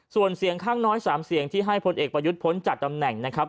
ส่วนเสียงข้างน้อย๓เสียงที่ให้พลเอกประยุทธ์พ้นจากตำแหน่งนะครับ